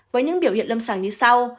với những biểu hiện lâm sảng như sau